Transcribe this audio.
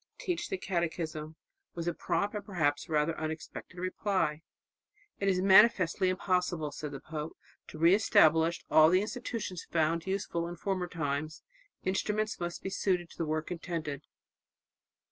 "Teach the catechism," was the prompt and perhaps rather unexpected reply. "It is manifestly impossible," said the pope, "to re establish all the institutions found useful in former times; instruments must be suited to the work intended.